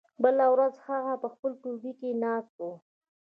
بله ورځ هغه په خپل ټولګي کې ناست و.